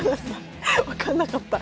分かんなかった。